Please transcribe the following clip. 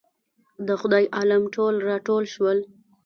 د خدای عالم ټول راټول شول.